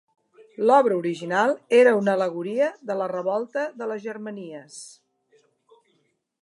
L'obra original era una al·legoria de la Revolta de les Germanies.